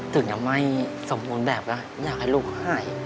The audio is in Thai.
ถึงยังไม่สมมุติแบบอยากให้ลูกห่าย